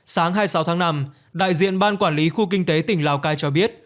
sáng hai mươi sáu tháng năm đại diện ban quản lý khu kinh tế tỉnh lào cai cho biết